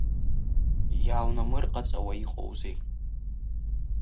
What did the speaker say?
Иааунамырҟаҵауа иҟоузеи!